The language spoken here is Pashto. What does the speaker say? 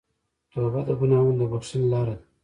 توبه د ګناهونو د بخښنې لاره ده.